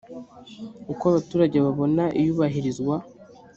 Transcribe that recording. uko abaturage babona iyubahirizwa